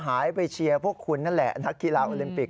นายยกรัฐมนตรีพบกับทัพนักกีฬาที่กลับมาจากโอลิมปิก๒๐๑๖